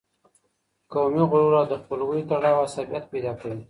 قومي غرور او د خپلوۍ تړاو عصبیت پیدا کوي.